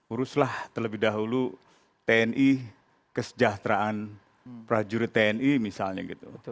uruslah terlebih dahulu tni kesejahteraan prajurit tni misalnya gitu